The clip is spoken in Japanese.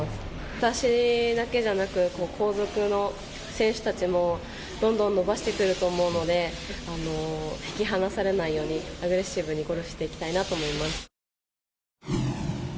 私だけじゃなく後続の選手たちもどんどん伸ばしてくると思うので引き離されないようにアグレッシブにゴルフしていきたいと思います。